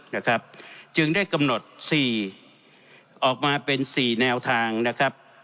นะครับจึงได้กำหนดสี่ออกมาเป็นสี่แนวทางนะครับ